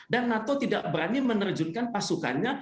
dan nato tidak berani menerjunkan pasukannya